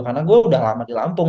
karena gue udah lama di lampung